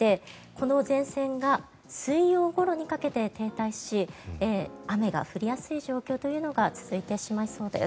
この前線が水曜日ごろにかけて停滞し雨が降りやすい状況が続いてしまいそうです。